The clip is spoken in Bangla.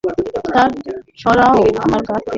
হাত সরাও আমার গা থেকে!